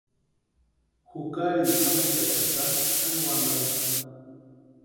Jukarini pʼamechaxaka xani wantani.